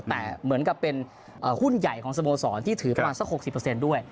แต่เหมือนกับเป็นหุ้นใหญ่ของสโมสรที่ถือประมาณสัก๖๐ด้วย